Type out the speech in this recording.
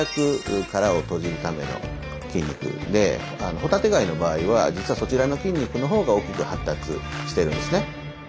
ホタテガイの場合は実はそちらの筋肉のほうが大きく発達してるんですね。